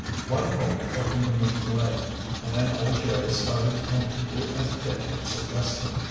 One pull opened the main blade, and then old Jerry started in to do as Dick had suggested.